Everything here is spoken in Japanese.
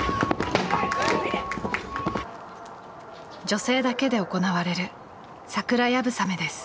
女性だけで行われる桜流鏑馬です。